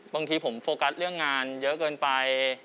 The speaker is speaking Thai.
บางทีผมโฟกัสเรื่องงานเยอะเกินไป